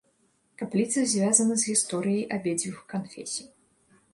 Капліца звязана з гісторыяй абедзвюх канфесій.